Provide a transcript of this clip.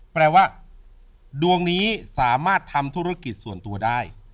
แปลว่าดวงนี้สามารถทำธุรกิจส่วนตัวได้